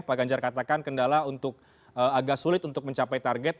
pak ganjar katakan kendala untuk agak sulit untuk mencapai target